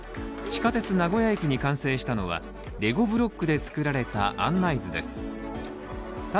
地下鉄名古屋駅に完成したのはレゴブロックで作られた案内図です。